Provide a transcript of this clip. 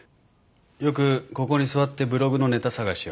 よくここに座ってブログのネタ探しを。